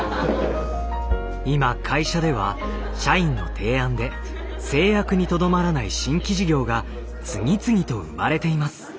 今会社では社員の提案で製薬にとどまらない新規事業が次々と生まれています。